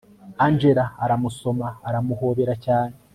angella aramusoma aramuhobera cyane